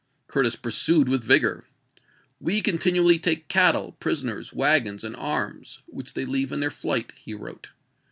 Cm tis pursued with vigor. " We continually take cattle, prisoners, wagons, and arms, which they leave in their flight," he wrote.